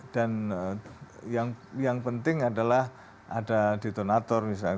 dan yang penting adalah ada detonator misalnya